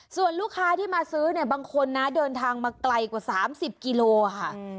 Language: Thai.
ส่วนลูกค้าที่มาซื้อเนี่ยบางคนนะเดินทางมาไกลกว่า๓๐กิโลค่ะ